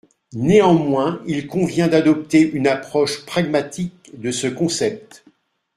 Néanmoins il convient d’adopter une approche pragmatique de ce concept.